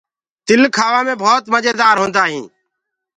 تل کآوآ مي ڀوت مجيدآر هوندآ هينٚ۔